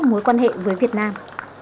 mối quan hệ với việt nam